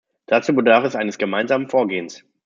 Dazu bedarf es eines gemeinsamen Vorgehens.